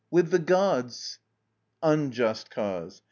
With the gods. UNJUST DISCOURSE.